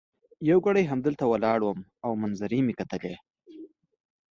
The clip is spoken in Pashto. یو ګړی همدلته ولاړ وم او منظرې مي کتلې.